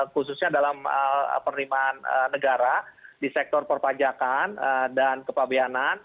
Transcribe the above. khususnya dalam penerimaan negara di sektor perpajakan dan kepabianan